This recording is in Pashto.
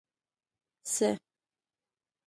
څه